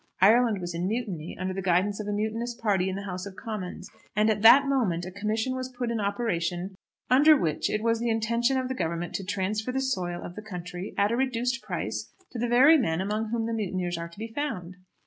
Ireland was in mutiny under the guidance of a mutinous party in the House of Commons, and at that moment a commission was put in operation, under which it was the intention of the Government to transfer the soil of the country at a reduced price to the very men among whom the mutineers are to be found.